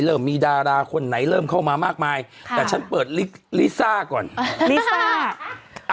เริ่มมีดาราคนไหนเริ่มเข้ามามากมายแต่ฉันเปิดลิซ่าก่อนลิซ่า